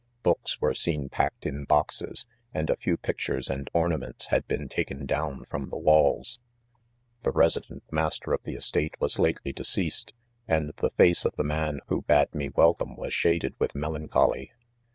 Books were seen packed in boxes ; and a fe pictures and ornaments had lieen taken dov from the walls, v>j> THE DISCOYEEY* 37 deceased 5 and the face of the man who "bad me welcome was shaded with melancholy.